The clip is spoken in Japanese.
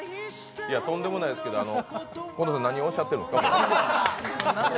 いや、とんでもないですけど近藤さん、何をおっしゃってるんですか？